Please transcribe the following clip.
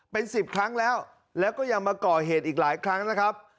เป็น๑๐ครั้งแล้วแล้วก็ยังมาก่อเหตุอีกหลายครั้งนะครับ